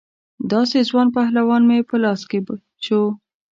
داسې ځوان پهلوان مې په لاس کې شو.